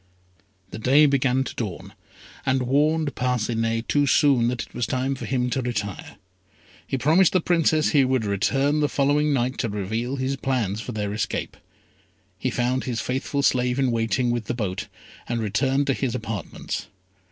The day began to dawn, and warned Parcinet, too soon, that it was time for him to retire. He promised the Princess he would return the following night to reveal his plans for their escape. He found his faithful slave in waiting with the boat, and returned to his apartments.